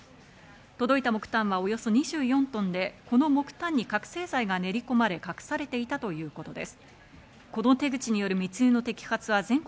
届いた木炭はおよそ２４トンで、この木炭に覚醒剤が練りこまれ隠されていたということです。